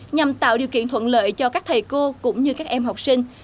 nhằm tạo điều kiện thuận lợi cho các thầy cô cũng như các em học sinh